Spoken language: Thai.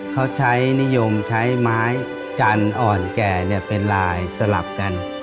เขาใช้นิยมใช้ไม้จันทร์อ่อนแก่เป็นลายสลับกัน